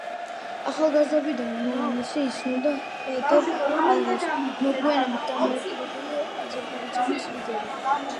ახალგაზრდობიდანვე მამამისი იცნობდა ჰეიდარ ალიევს, მოგვიანებით დამოუკიდებელი აზერბაიჯანის ლიდერი.